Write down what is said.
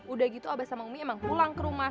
udah gitu abah sama umi emang pulang ke rumah